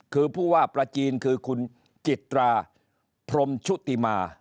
คือผู้ว่าประจีนคือคุณจิตราพรมชุติมา